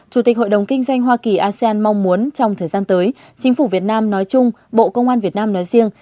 chủ tịch hội đồng kinh doanh hoa kỳ asean mong muốn trong thời gian tới chính phủ việt nam nói chung bộ công an việt nam nói riêng